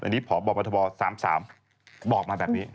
อันนี้พบทบ๓๓บอกมาแบบนี้